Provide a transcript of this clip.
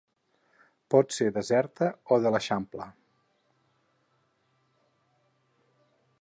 Pot ser deserta o de l'Eixample.